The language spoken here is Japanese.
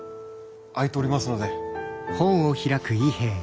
空いておりますので。